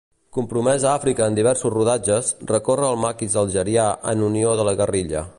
Compromès a Àfrica en diversos rodatges, recorre el maquis algerià en unió de la guerrilla.